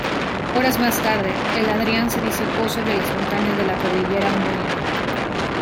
Horas más tarde, el Adrián se disipó sobre las montañas de la cordillera hondureña.